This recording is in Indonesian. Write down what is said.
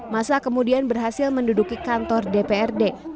masa kemudian berhasil menduduki kantor dprd